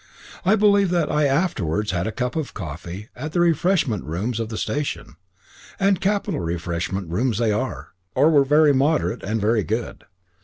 I believe that I afterwards had a cup of coffee at the refreshment rooms of the station, and capital refreshment rooms they are, or were very moderate and very good.